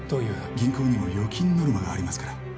銀行にも預金ノルマがありますから